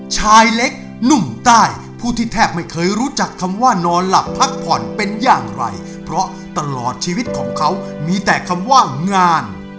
ชายเล็กหนุ่มใต้ผู้ที่แทบไม่เคยรู้จักคำว่านอนหลับพักผ่อนเป็นอย่างไรเพราะตลอดชีวิตของเขามีแต่คำว่างาน